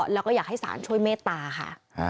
แล้วก็อยากให้ศาลช่วยเมตตาค่ะ